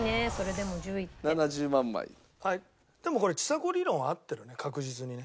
でもこれちさ子理論は合ってるね確実にね。